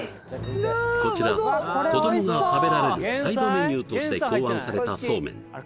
こちら子供が食べられるサイドメニューとして考案されたそうめん